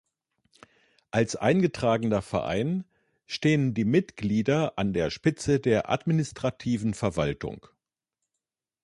Als eingetragener Verein stehen die Mitglieder an der Spitze der administrativen Verwaltung.